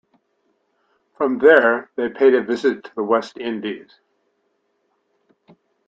From there, they paid a visit to the West Indies.